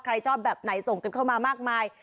ถ้าใครชอบแบบไหนส่งกันมามากมาย